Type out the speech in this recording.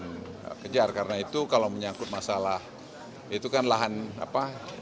dan kejar karena itu kalau menyangkut masalah itu kan lahan apa